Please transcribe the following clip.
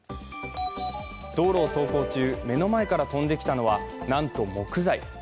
道路を走行中、目の前から飛んできたのは、なんと木材。